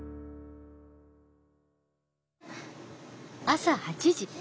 朝８時。